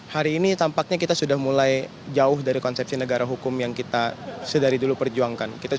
hari ini tampaknya kita sudah mulai jauh dari konsepsi negara hukum yang kita sedari dulu perjuangkan